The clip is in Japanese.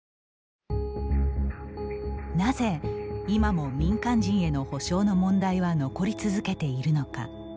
なぜ今も民間人への補償の問題は残り続けているのか。